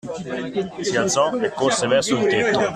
Si alzò e corse verso il tetto.